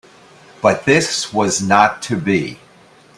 But this was not to be.